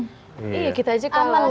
iya kita aja kalau berenang lari